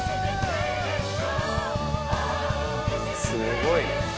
すごい。